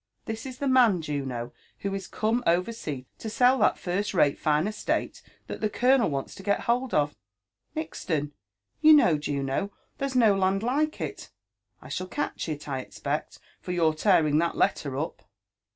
This is the man, Juno, who is come over sea to sell that first rate fine estate that the colonel wants to get hold of, — Nixton, you know, Juno— there's no land like it. I shall catch it, I expect, for your (earing that letter, up."